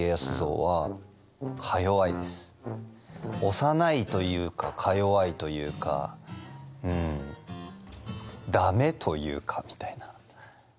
幼いというかかよわいというかうんダメというかみたいな。